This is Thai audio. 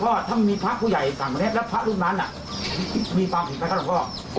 ครับพ่อถ้ามีพระผู้ใหญ่สั่งแบบนี้แล้วพระรุ่นนั้นมีภาพผิดไหมครับพ่อ